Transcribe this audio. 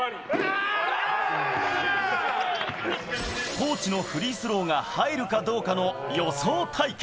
コーチのフリースローが入るかどうかの予想対決。